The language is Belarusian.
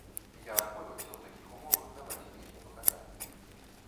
Я адмовіўся ў такіх умовах даваць нейкія паказанні.